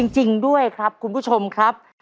จริงด้วยครับคุณผู้ชมครับ